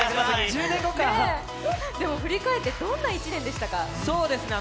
振り返って、どんな１年でしたか？